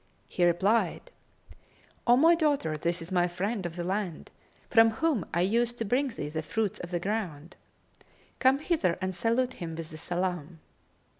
He replied, "O my daughter this is my friend of the land, from whom I used to bring thee the fruits of the ground. Come hither and salute him with the salam."